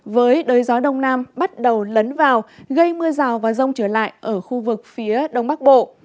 với đới gió đông nam bắt đầu lấn vào gây mưa rào và rông trở lại ở khu vực phía đông bắc bộ